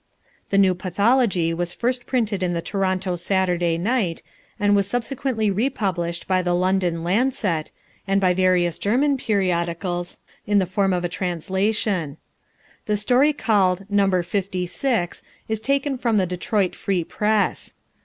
"The New Pathology" was first printed in the Toronto Saturday Night, and was subsequently republished by the London Lancet, and by various German periodicals in the form of a translation. The story called "Number Fifty Six" is taken from the Detroit Free Press.